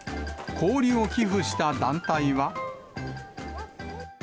氷を寄付した団体は。